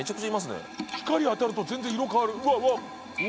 光当たると全然色変わるうわうわ！